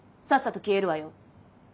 さっさと消えるわよ。